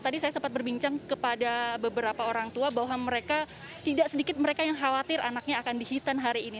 tadi saya sempat berbincang kepada beberapa orang tua bahwa mereka tidak sedikit mereka yang khawatir anaknya akan dihitan hari ini